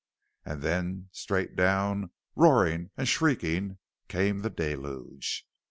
And then, straight down, roaring and shrieking, came the deluge.